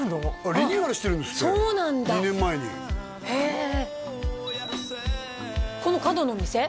リニューアルしてるんですって２年前にへえこの角のお店？